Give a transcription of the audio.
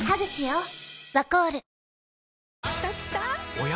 おや？